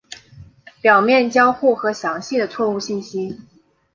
表面交互和详细的错误信息。